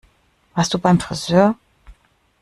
Warst du beim Frisör?